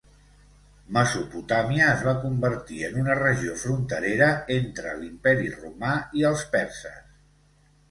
Mesopotàmia es va convertir en una regió fronterera entre l'imperi romà i els perses.